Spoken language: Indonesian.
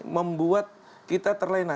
membuat kita terlena